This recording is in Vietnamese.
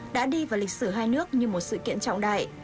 đã đi vào lịch sử hai nước như một sự kiện trọng đại